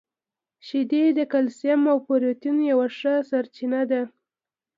• شیدې د کلسیم او پروټین یوه ښه سرچینه ده.